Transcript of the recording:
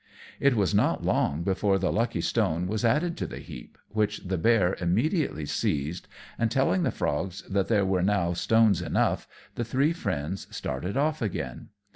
It was not long before the lucky stone was added to the heap, which the bear immediately seized; and telling the frogs that there were now stones enough, the three friends started off again.